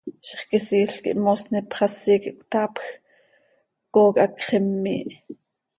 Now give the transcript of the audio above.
Zixquisiil quih moosni ipxasi quih cötaapj, cooc hacx immiih.